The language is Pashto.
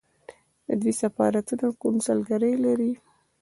دوی سفارتونه او کونسلګرۍ لري.